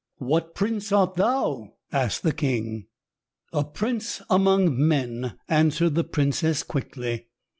"What prince art thou?" asked the king. "A prince among men," answered the princess quickly.